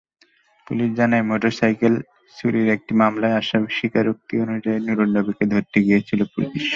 Police জানায়, motorcycle চুরির একটি মামলায় আসামির স্বীকারোক্তি অনুযায়ী নুরন্নবীকে ধরতে গিয়েছিল পুলিশ।